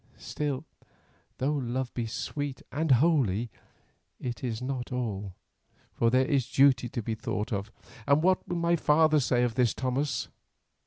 Still, though love be sweet and holy, it is not all, for there is duty to be thought of, and what will my father say to this, Thomas?"